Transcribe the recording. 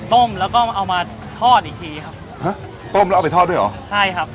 ต้มแล้วก็เอามาทอดอีกทีครับฮะต้มแล้วเอาไปทอดด้วยเหรอใช่ครับ